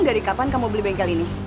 dari kapan kamu beli bengkel ini